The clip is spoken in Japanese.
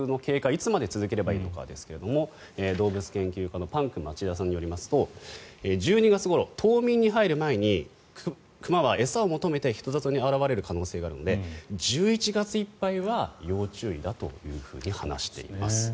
いつまで続ければいいかなんですが動物研究家のパンク町田さんによりますと１２月ごろ、冬眠に入る前に熊は餌を求めて人里に現れる可能性があるので１１月いっぱいは要注意だと話しています。